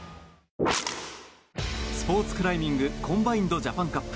スポーツクライミングコンバインドジャパンカップ。